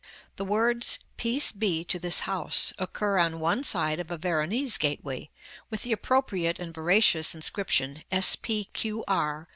The words "Peace be to this house" occur on one side of a Veronese gateway, with the appropriate and veracious inscription S.P.Q.R.